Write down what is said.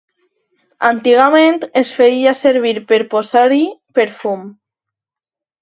Antigament es feia servir per posar-hi perfum.